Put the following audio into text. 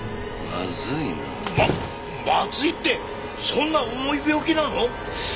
ままずいってそんな重い病気なの！？